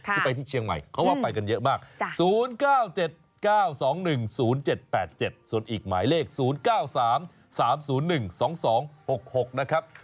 ที่ไปที่เชียงใหม่เขาว่าไปกันเยอะมาก๐๙๗๙๒๑๐๗๘๗ส่วนอีกหมายเลข๐๙๓๓๐๑๒๒๖๖นะครับ